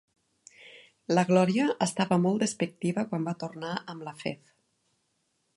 La Glòria estava molt despectiva quan va tornar amb la Faith.